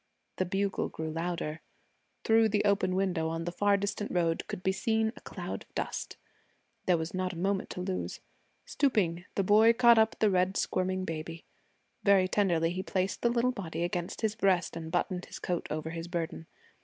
The bugle grew louder. Through the open window on the far distant road could be seen a cloud of dust. There was not a moment to lose. Stooping, the boy caught up the red squirming baby. Very tenderly he placed the little body against his breast and buttoned his coat over his burden.